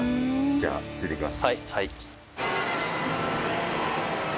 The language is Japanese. じゃあついていきます。